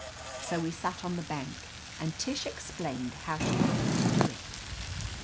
So we sat down on the bank and Tish ex plained how she happened to do it.